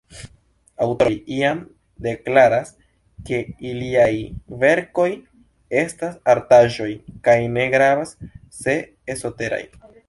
Aŭtoroj iam deklaras, ke iliaj verkoj estas artaĵoj, kaj ne gravas, se esoteraj.